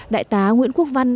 đại tá nguyễn quốc văn